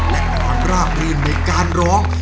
เป็นอย่างที่เราคาดไหมค่ะ